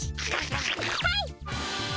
はい。